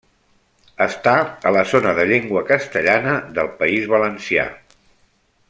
Està a la zona de llengua castellana del País Valencià.